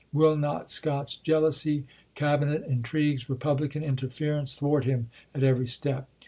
Will not Scott's jealousy, Cabinet intrigues, Republican interference, thwart him at every step?